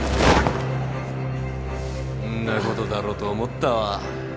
んなことだろうと思ったわ。